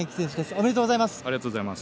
おめでとうございます。